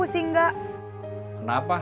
jangan marah jangan marah